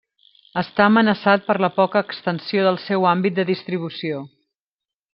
Està amenaçat per la poca extensió del seu àmbit de distribució.